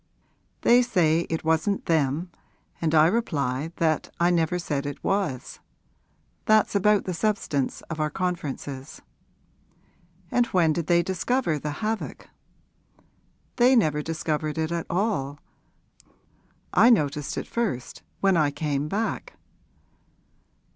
'They say it wasn't them, and I reply that I never said it was. That's about the substance of our conferences.' 'And when did they discover the havoc?' 'They never discovered it at all. I noticed it first when I came back.'